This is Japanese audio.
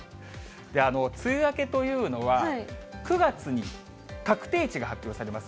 梅雨明けというのは、９月に確定値が発表されます。